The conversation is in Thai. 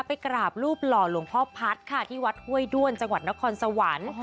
ไปกราบรูปหล่อหลวงพ่อพัฒน์ค่ะที่วัดห้วยด้วนจังหวัดนครสวรรค์